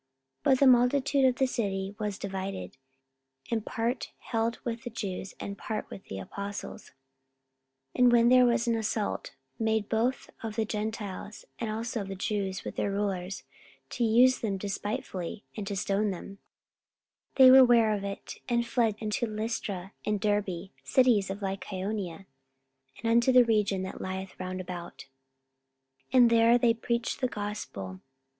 44:014:004 But the multitude of the city was divided: and part held with the Jews, and part with the apostles. 44:014:005 And when there was an assault made both of the Gentiles, and also of the Jews with their rulers, to use them despitefully, and to stone them, 44:014:006 They were ware of it, and fled unto Lystra and Derbe, cities of Lycaonia, and unto the region that lieth round about: 44:014:007 And there they preached the gospel.